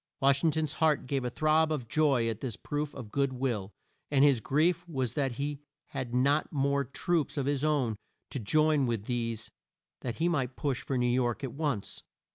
Wash ing ton's heart gave a throb of joy at this proof of good will, and his grief was that he had not more troops of his own to join with these that he might push for New York at once.